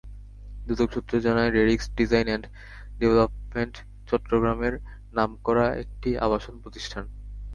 দুদক সূত্র জানায়, Radix design and development চট্টগ্রামের নামকরা একটি আবাসন প্রতিষ্ঠান।